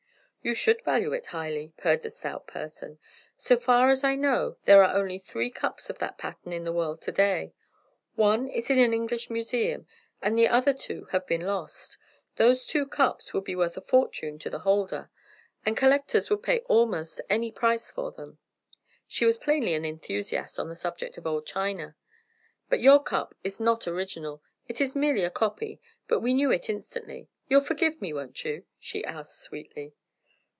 "You should value it highly," purred the stout person. "So far as I know there are only three cups of that pattern in the world to day. One is in an English museum, and the other two have been lost. Those two cups would be worth a fortune to the holder, the collectors would pay almost any price for them." She was plainly an enthusiast on the subject of old china. "But your cup is not original, it is merely a copy, but we knew it instantly. You'll forgive me, won't you?" she asked, sweetly.